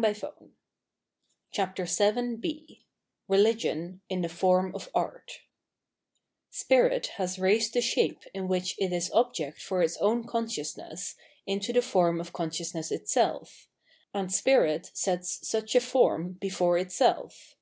* Sphinxes B Religion in the Rohm op Art* Spirit has raised the shape in which it is object for its own conscionsness into the form of conscious ness itself ; and spirit sets such a form before itself.